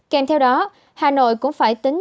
kèm theo đó hà nội cũng phải tính